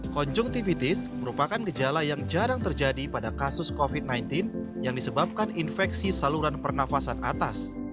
konjuktivitis merupakan gejala yang jarang terjadi pada kasus covid sembilan belas yang disebabkan infeksi saluran pernafasan atas